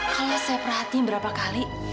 kalau saya perhatiin berapa kali